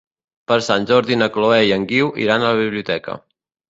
Per Sant Jordi na Chloé i en Guiu iran a la biblioteca.